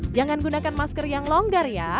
jangan gunakan masker yang longgar ya